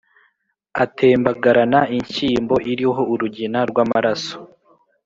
atembagarana inshyimbo iriho urugina rw’amaraso.